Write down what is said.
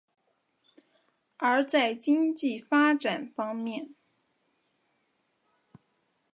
而在经济发展方面。